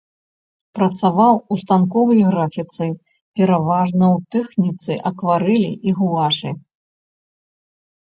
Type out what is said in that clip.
Працаваў у станковай графіцы пераважна ў тэхніцы акварэлі і гуашы.